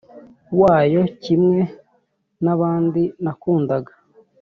wayo kimwe nabandi nakundaga